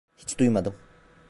Hiç duymadım.